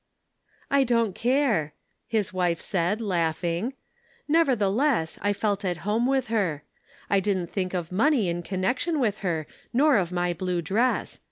"I don't care," his1 wife said, laughing; '•nevertheless, I felt at home with her. I didn't think of money in connection with her, nor of my blue dress.